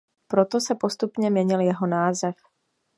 Proto se postupně měnil jeho název.